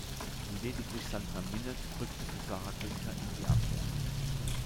Lediglich Sandra Minnert rückte für Sarah Günther in die Abwehr.